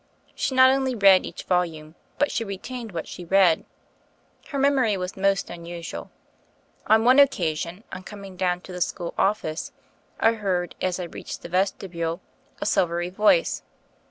She not only read each volume, but she retained what she read. Her memory was most unusual. On one occasion, on coming down to the school office, I heard, as I reached the vestibule, a silvery voice.